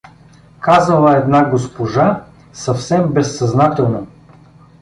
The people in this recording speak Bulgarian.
— Казала една госпожа съвсем безсъзнателно.